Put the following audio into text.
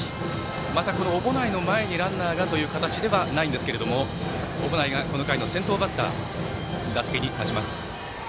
また小保内の前にランナーという形ではないんですけれども小保内がこの回の先頭バッターで打席に立ちます。